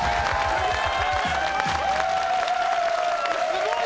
すごい！